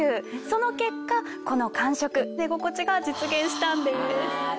その結果この感触寝心地が実現したんです。